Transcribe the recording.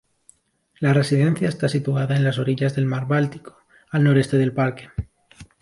La residencia está situada en las orillas del mar Báltico, al noreste del parque.